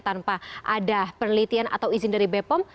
tanpa ada penelitian atau izin dari b pom